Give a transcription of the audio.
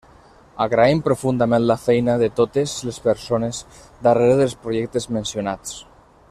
Agraïm profundament la feina de totes les persones darrere dels projectes mencionats.